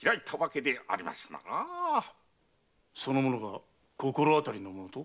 その者が心当たりの者と？